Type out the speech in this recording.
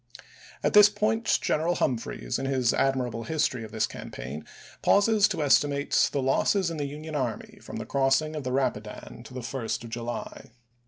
At this point General Humphreys, in his admir able history of this campaign, pauses to estimate the losses in the Union Army from the crossing of the Rapidan to the 1st of July.